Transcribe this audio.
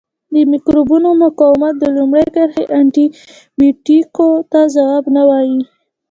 د مکروبونو مقاومت د لومړۍ کرښې انټي بیوټیکو ته ځواب نه وایي.